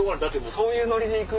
そういうノリで行く。